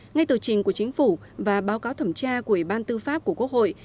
ngay từ trình của chính phủ và báo cáo thẩm tra của ủy ban tư pháp của quốc hội